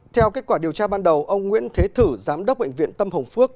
theo kết quả điều tra ban đầu ông nguyễn thế thử giám đốc bệnh viện tâm hồng phước